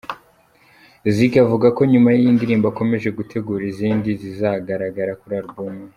Ziggy avuga ko nyuma y’iyi ndirimbo, akomeje gutegura izindi zizagaragara kuri album ye.